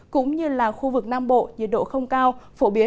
cũng như là khu vực nam bộ nhiệt độ không cao